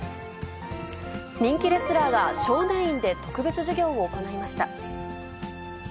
人気レスラーが少年院で特別授業を行いました。